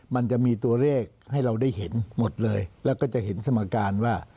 มันจะมีตัวเลขให้เราได้เห็นหมดเลยแล้วก็จะเห็นสมการว่า